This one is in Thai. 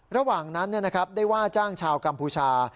ระหว่างนั้นได้ว่าจ้างชาวกัมพูชา